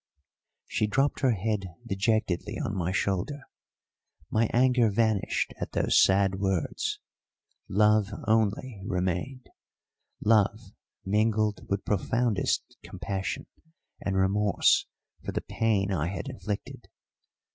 She dropped her head dejectedly on my shoulder. My anger vanished atthose sad words; love only remained love mingled with profoundest compassion and remorse for the pain I had inflicted.